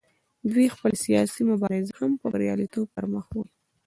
دوی خپله سیاسي مبارزه هم په بریالیتوب پر مخ وړي